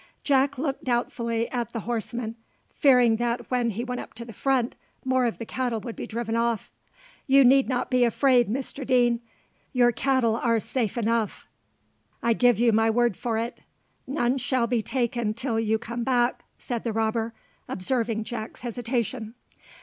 Jack looked doubtfully at the horseman, fearing that when he went up to the front, more of the cattle would be driven off. "You need not be afraid, Mr Deane; your cattle are safe enough, I give you my word for it: none shall be taken till you come back," said the robber, observing Jack's hesitation.